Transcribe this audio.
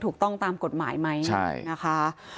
ถูกต้องตามกฎหมายไหมใช่นะคะ